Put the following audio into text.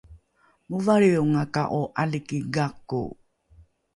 movalriongaka’o ’aliki gako